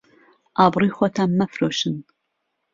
ئابڕووی خۆتان مەفرۆشن